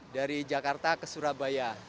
dari jakarta ke surabaya